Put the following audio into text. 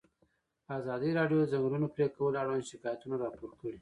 ازادي راډیو د د ځنګلونو پرېکول اړوند شکایتونه راپور کړي.